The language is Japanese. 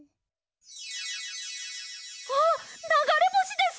あっながれぼしです！